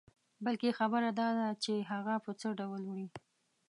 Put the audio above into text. بلکې خبره داده چې هغه په څه ډول وړې.